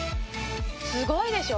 すごいでしょ？